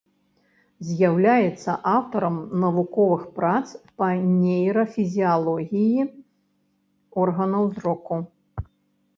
З'яўляецца аўтарам навуковых прац па нейрафізіялогіі органаў зроку.